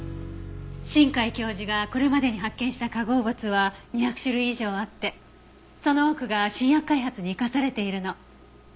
新海教授がこれまでに発見した化合物は２００種類以上あってその多くが新薬開発に生かされているの。